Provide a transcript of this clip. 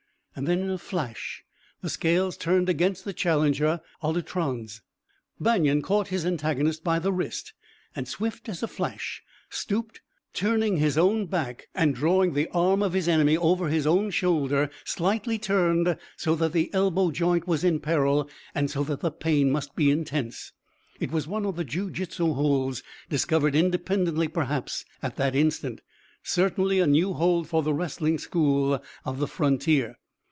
Then in a flash the scales turned against the challenger a l'outrance. Banion caught his antagonist by the wrist, and swift as a flash stooped, turning his own back and drawing the arm of his enemy over his own shoulder, slightly turned, so that the elbow joint was in peril and so that the pain must be intense. It was one of the jiu jitsu holds, discovered independently perhaps at that instant; certainly a new hold for the wrestling school of the frontier.